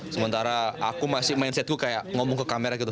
sementara aku masih mindsetku kayak ngomong ke kamera gitu